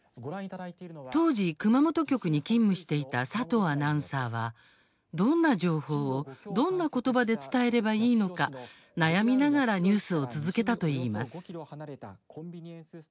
当時、熊本局に勤務していた佐藤アナウンサーはどんな情報をどんなことばで伝えればいいのか悩みながらニュースを続けたといいます。